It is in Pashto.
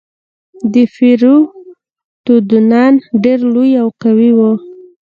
ديپروتودونان ډېر لوی او قوي وو.